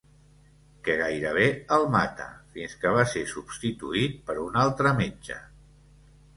Que gairebé el mata, fins que va ser substituït per un altre metge.